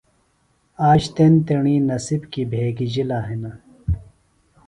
آج تیݨ تیݨی نصِب کیۡ بھگِجلَہ ہِنہ۔